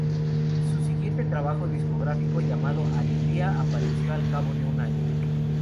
Su siguiente trabajo discográfico, llamado "Alegría", apareció al cabo de un año.